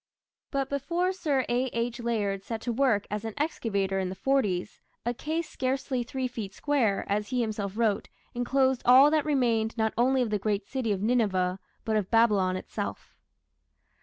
But before Sir A.H. Layard set to work as an excavator in the "forties", "a case scarcely three feet square", as he himself wrote, "enclosed all that remained not only of the great city of Nineveh, but of Babylon itself".